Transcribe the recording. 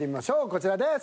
こちらです。